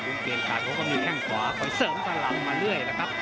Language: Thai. เปลี่ยนขัดเขาก็มีแข้งขวาคอยเสริมพลังมาเรื่อยนะครับ